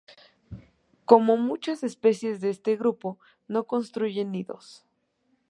Como muchas especies de este grupo no construyen nidos.